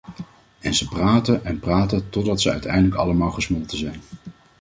En ze praten en praten totdat ze uiteindelijk allemaal gesmolten zijn.